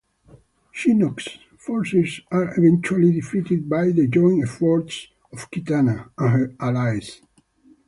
Shinnok's forces are eventually defeated by the joint efforts of Kitana and her allies.